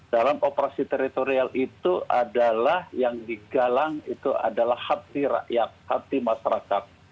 dalam operasi teritorial itu adalah yang digalang itu adalah hati rakyat hati masyarakat